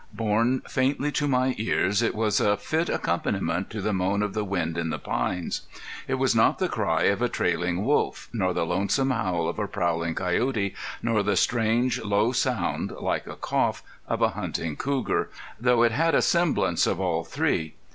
Borne faintly to my ears, it was a fit accompaniment to the moan of the wind in the pines. It was not the cry of a trailing wolf, nor the lonesome howl of a prowling coyote, nor the strange, low sound, like a cough, of a hunting cougar, though it had a semblance of all three.